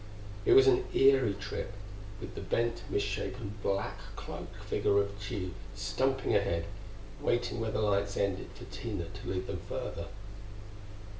It was an eery trip, with the bent, misshapen black cloaked figure of Tugh stumping ahead, waiting where the lights ended for Tina to lead them further.